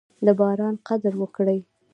د باران قدر وکړئ.